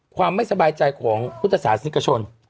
ความไม่สบายใจของพุทธศาสนิกชน